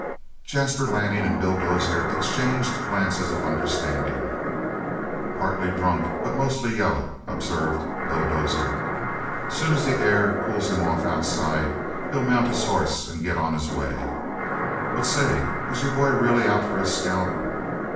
Jasper Lanning and Bill Dozier exchanged glances of understanding. "Partly drunk, but mostly yaller," observed Bill Dozier. "Soon as the air cools him off outside he'll mount his hoss and get on his way. But, say, is your boy really out for his scalp?"